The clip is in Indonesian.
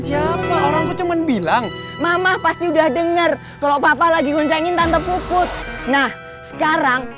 siapa orangku cuman bilang mama pasti udah denger kalau papa lagi goncangin tante puput nah sekarang